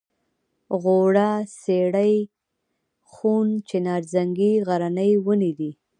غوړه څېرۍ ښوون چناررنګی غرني ونې دي.